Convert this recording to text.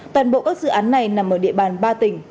toàn bộ các dự án này nằm ở địa bàn ba tỉnh